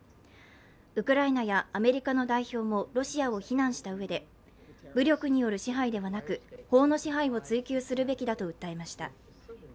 ウクライナやアメリカの代表もロシアを非難したうえで武力による支配ではなく、法の支配を追求するべきだと訴えました。